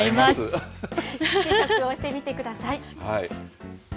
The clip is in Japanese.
試食をしてみてください。